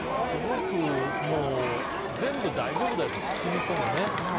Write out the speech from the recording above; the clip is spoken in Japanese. すごく全部、大丈夫だよって包み込むね。